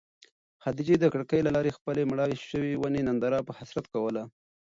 خدیجې د کړکۍ له لارې د خپلې مړاوې شوې ونې ننداره په حسرت کوله.